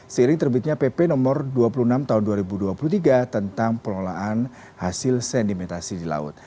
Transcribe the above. seiring terbitnya pp nomor dua puluh enam tahun dua ribu dua puluh tiga tentang pengelolaan hasil sedimentasi di laut